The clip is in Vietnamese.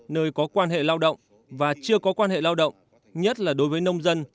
nơi có quan hệ lao động và chưa có quan hệ lao động nhất là đối với nông dân